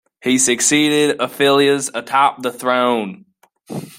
He succeeded Aphilas atop the throne.